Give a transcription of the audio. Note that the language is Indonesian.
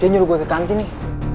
dia nyuruh gue ke kantin nih